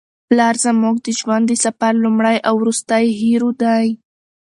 پلار زموږ د ژوند د سفر لومړی او وروستی هیرو دی.